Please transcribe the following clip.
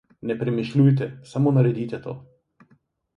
Ne premišljujte, samo naredite to.